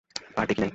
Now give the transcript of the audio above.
আর দেখি নাই।